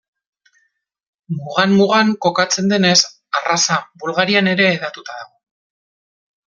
Mugan mugan kokatzen denez, arraza Bulgarian ere hedatuta dago.